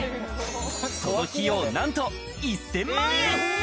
その費用はなんと１０００万円。